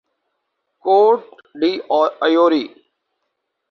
quote d' Ivory